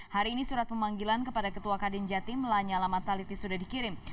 hari ini surat pemanggilan kepada ketua kadin jatim lanyala mataliti sudah dikirim